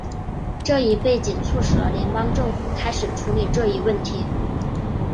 这一背景促使了联邦政府开始处理这一问题。